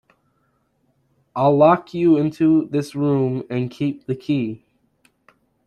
I’ll lock you into this room and keep the key.